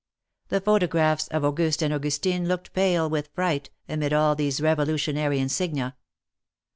The photographs of Auguste and Augustine looked pale with fright, amid all these Revolutionary insignia.